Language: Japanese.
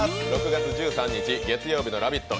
６月１３日月曜日の「ラヴィット！」